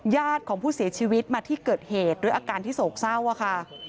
ญาติของผู้เสียชีวิตมาที่เกิดเหตุด้วยอาการที่โศกเศร้าค่ะ